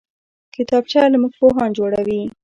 کتابچه له موږ پوهان جوړوي